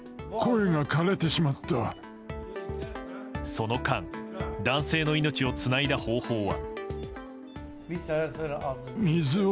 その間男性の命をつないだ方法は。